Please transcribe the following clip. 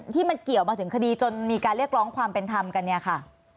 ที่มันเกี่ยวมาถึงคดีจนมีการเรียกร้องความเป็นธรรมกันเนี่ยค่ะ